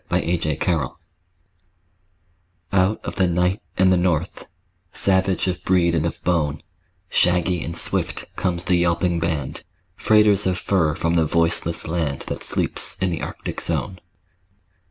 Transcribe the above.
THE TRAIN DOGS Out of the night and the north; Savage of breed and of bone, Shaggy and swift comes the yelping band, Freighters of fur from the voiceless land That sleeps in the Arctic zone.